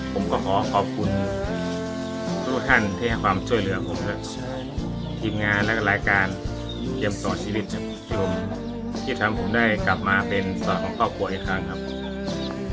ผมก็ขอขอบคุณทุกท่านที่ให้ความช่วยเหลือผมนะครับทีมงานแล้วก็รายการเกมต่อชีวิตครับคุณผู้ชมที่ทำผมได้กลับมาเป็นเสาของครอบครัวอีกครั้งครับ